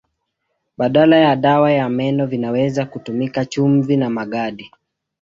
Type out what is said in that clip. Badala ya dawa ya meno vinaweza kutumika chumvi na magadi.